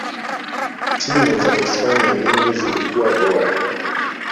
timu za hispania nyingi zilikuwa bora